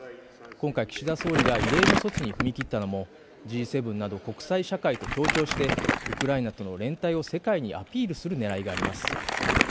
今回、岸田総理が異例の措置に踏み切ったのもＧ７など国際社会と協調してウクライナとの連帯を世界にアピールする狙いがあります。